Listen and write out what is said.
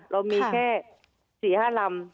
เรามีแค่สี่ห้าลำ